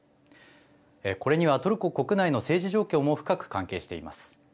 これにはトルコ国内の政治状況も深く関係しています。